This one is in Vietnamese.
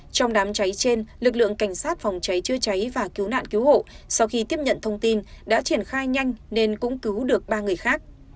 trong đám cháy trên lực lượng cảnh sát phòng cháy chữa cháy và cứu nạn cứu hộ sau khi tiếp nhận thông tin đã triển khai nhanh nên cũng cứu được ba người khác